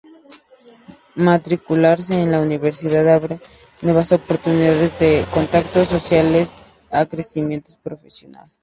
Matricularse en la universidad abre nuevas oportunidades, desde contactos sociales a crecimiento profesional.